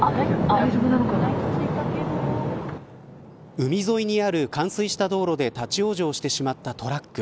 海沿いにある冠水した道路で立ち往生してしまったトラック。